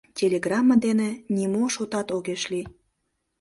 Телеграмме дене нимо шотат огеш лий.